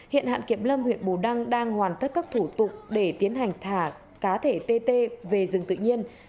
hiện hạn kiểm lâm huyện bù đăng đang hoàn thất các thủ tục để tiến hành thả cá thể tê tê về rừng tự nhiên